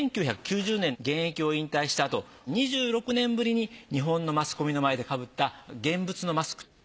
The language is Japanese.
１９９０年現役を引退したあと２６年ぶりに日本のマスコミの前で被った現物のマスク。